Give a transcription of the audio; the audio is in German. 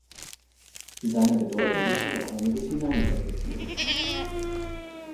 In seiner Bedeutung ließ sich auch einiges hinein interpretieren.